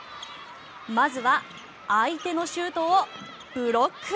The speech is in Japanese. まずは相手のシュートをブロック。